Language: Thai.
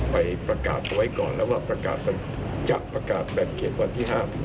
ไปประกาศเอาไว้ก่อนแล้วว่าประกาศจะประกาศแบ่งเขตวันที่๕